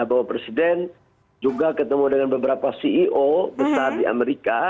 bahwa presiden juga ketemu dengan beberapa ceo besar di amerika